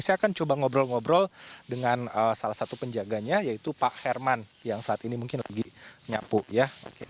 saya akan coba ngobrol ngobrol dengan salah satu penjaganya yaitu pak herman yang saat ini mungkin lagi nyapu ya